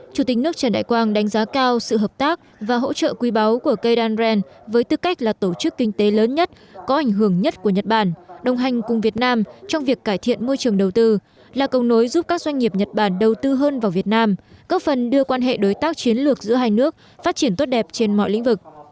chủ tịch nước trần đại quang đánh giá cao sự hợp tác và hỗ trợ quý báu của cây đan ren với tư cách là tổ chức kinh tế lớn nhất có ảnh hưởng nhất của nhật bản đồng hành cùng việt nam trong việc cải thiện môi trường đầu tư là công nối giúp các doanh nghiệp nhật bản đầu tư hơn vào việt nam góp phần đưa quan hệ đối tác chiến lược giữa hai nước phát triển tốt đẹp trên mọi lĩnh vực